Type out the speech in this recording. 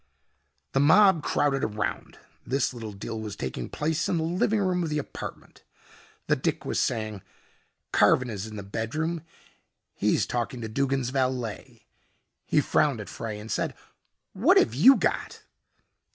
The mob crowded around. This little deal was taking place in the living room of the apartment. The dick was saying, "Carven is in the bedroom. He's talking to Duggin's valet." He frowned at Frey and said, "What have you got?"